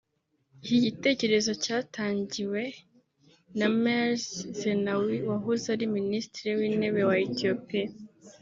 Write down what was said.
Iki gitekerezo cyatangijwe na Meles Zenawi wahoze ari Minisitiri w’Intebe wa Ethiopia